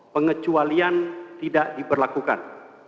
pengecualian tidak diberlakukan